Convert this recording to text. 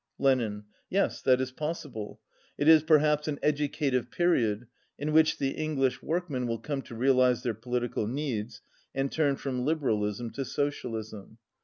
Lenin. "Yes, that is possible. It is, perhaps, an educative period, in which the English workmen will come to realize their political needs, and turn from liberalism to socialism.